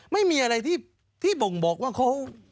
ไม่มีอะไรที่บ่งบอกว่าเขา